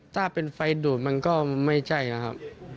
ถ้าเป็นไฟดูดมันก็ไม่ใช่นะครับ